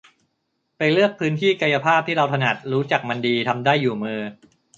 ไปเลือกพื้นที่กายภาพที่เราถนัด รู้จักมันดี ทำได้อยู่มือ